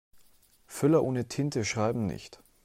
Füller ohne Tinte schreiben nicht.